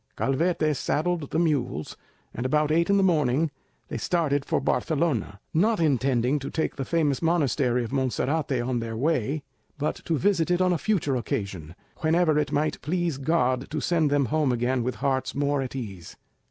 Calvete saddled the mules, and about eight in the morning, they started for Barcelona, not intending to take the famous monastery of Monserrate on their way, but to visit it on a future occasion, whenever it might please God to send them home again with hearts more at ease.